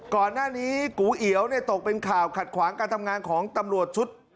ก่อนหน้านี้กูเอียวตกเป็นข่าวขัดขวางการทำงานของตำรวจชุด